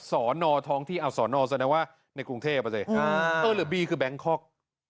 สอนอท้องที่สอนอสัญลักษณ์ว่าในกรุงเทพฯหรือบีคือแบงค์ค็อก